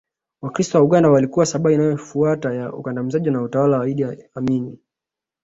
Wakristo wa Uganda walikuwa shabaha inayofuata ya ukandamizaji na utawala wa Idi Amin